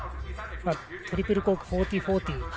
トリプルコーク１４４０。